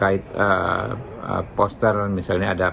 farip esmm jake tomas baros dan amir taka bandik